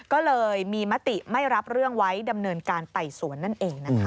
ก็เลยมีมติไม่รับเรื่องไว้ดำเนินการไต่สวนนั่นเองนะคะ